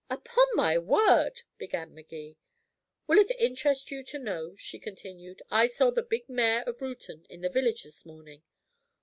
"Upon my word " began Magee. "Will it interest you to know," she continued, "I saw the big mayor of Reuton in the village this morning?